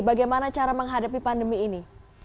bagaimana cara menghadapi pandemi ini